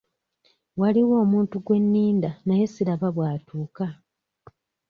Waliwo omuntu gwe nninda naye siraba bw'atuuka.